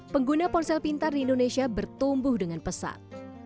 pengguna ponsel pintar di indonesia bertumbuh dengan pesat